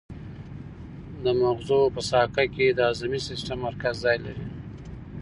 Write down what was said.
د مغزو په ساقه کې د هضمي سیستم مرکز ځای لري.